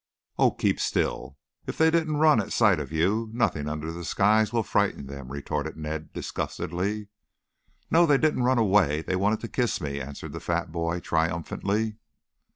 "Oh, keep still. If they didn't run at sight of you, nothing under the skies will frighten them," retorted Ned disgustedly. "No, they didn't run away. They wanted to kiss me," answered the fat boy triumphantly.